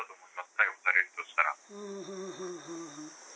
逮捕されるとしたら。